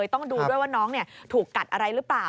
ต้องดูด้วยว่าน้องเนี่ยถูกกัดอะไรรึเปล่า